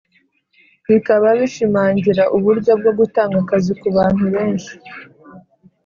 bikaba bishimangira uburyo bwo gutanga akazi ku bantu benshi